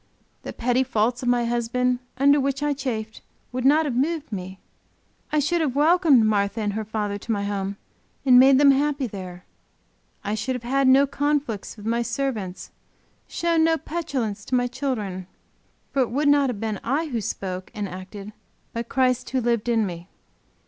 The petty faults of my husband under which I chafed would not have moved me; I should have welcomed Martha and her father to my home and made them happy there; I should have had no conflicts with my servants, shown no petulance to my children. For it would not have been I who spoke and acted but Christ who lived in me.